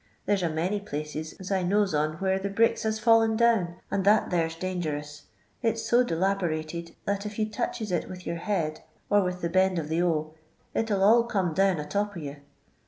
There 's a many places as I knows on where the bricks has fidlen down, and that there 's dangerous ; it 's so delaberated that if you touches it with your head or with the hend of the o, it 'ill all come down atop o' you.